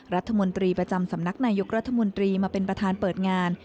รัฐมนตรีประจำสำนักนายกรัฐมนตรีมาเป็นประธานเปิดงาน